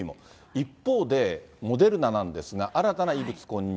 一方で、モデルナなんですが、新たな異物混入。